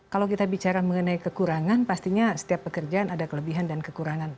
kalau kita bicara mengenai kekurangan pastinya setiap pekerjaan ada kelebihan dan kekurangan